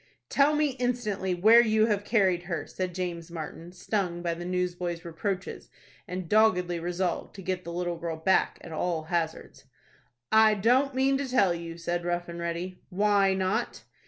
"Tell me, instantly, where you have carried her," said James Martin, stung by the newsboy's reproaches, and doggedly resolved to get the little girl back, at all hazards. "I don't mean to tell you," said Rough and Ready. "Why not?"